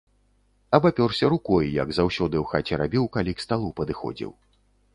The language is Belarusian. Абапёрся рукой, як заўсёды ў хаце рабіў, калі к сталу падыходзіў.